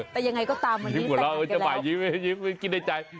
แต่ยังไงก็ตามวันนี้แต่งงานกันแล้วยิ้มหัวเราะเจ้าบ่าวยิ้มกินในใจ